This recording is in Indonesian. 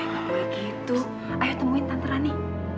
gak boleh gitu ayo temuin tante rani